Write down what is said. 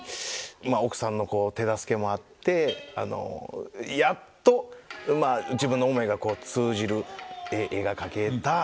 まあ奥さんの手助けもあってやっと自分の思いがこう通じる絵が描けた。